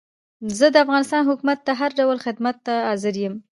زه د افغانستان حکومت ته هر ډول خدمت ته حاضر یم.